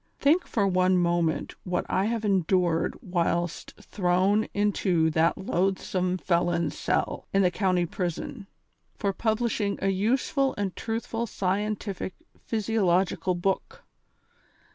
Think for one moment what I have endured whilst thrown into that loathsome felon's cell, in the county prison, for publishing a useful and truthful scien tific physiological book.